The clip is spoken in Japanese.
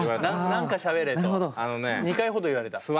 何かしゃべれと２回ほど言われた。